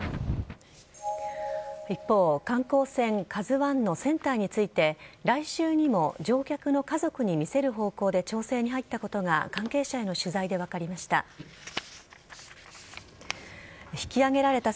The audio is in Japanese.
一方、観光船「ＫＡＺＵ１」の船体について来週にも乗客の家族に見せる方向で調整に入ったことが関係者への取材で分かりました。